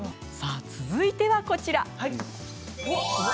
さあ続いてはこちら。